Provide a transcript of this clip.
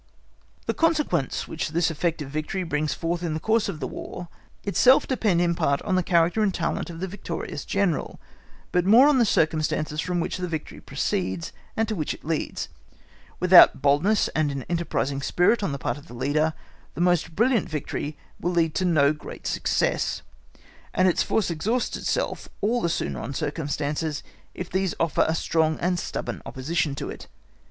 The consequence which this effect of victory brings forth in the course of the War itself depend in part on the character and talent of the victorious General, but more on the circumstances from which the victory proceeds, and to which it leads. Without boldness and an enterprising spirit on the part of the leader, the most brilliant victory will lead to no great success, and its force exhausts itself all the sooner on circumstances, if these offer a strong and stubborn opposition to it.